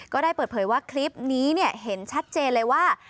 ก็ได้เปิดเผยว่าคลิปนี้เห็นชัดเจนเลยว่า